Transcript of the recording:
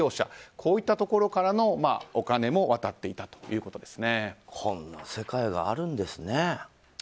こういったところからのお金もこんな世界があるんですね。